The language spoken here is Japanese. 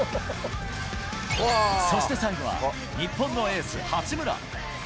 そして最後は、日本のエース、八村。